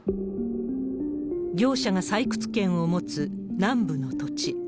業者が採掘権を持つ南部の土地。